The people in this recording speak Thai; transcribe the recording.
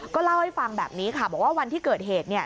ก็เล่าให้ฟังแบบนี้ค่ะบอกว่าวันที่เกิดเหตุ